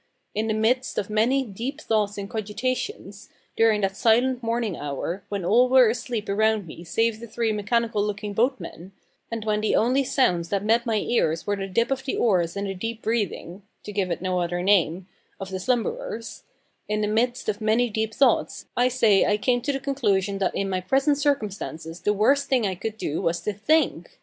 In the midst of many deep thoughts and cogitations, during that silent morning hour, when all were asleep around me save the three mechanical looking boatmen, and when the only sounds that met my ears were the dip of the oars and the deep breathing, (to give it no other name), of the slumberers in the midst of many deep thoughts, I say, I came to the conclusion that in my present circumstances the worst thing I could do was to think!